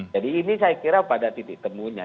jadi ini saya kira pada titik temunya